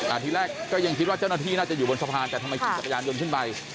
ทีแรกก็ยังคิดว่าเจ้าหน้าที่น่าจะอยู่บนสะพานแต่ทำไมขี่จักรยานยนต์ขึ้นไป